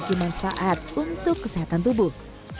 dan juga memiliki manfaat untuk kesehatan tubuh